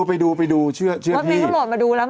ที่นี่ทั้งหมดมาดูแล้วเหมือนกัน